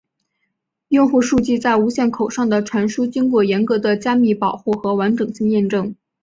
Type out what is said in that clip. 用户数据在无线口上的传输经过严格的加密保护和完整性验证。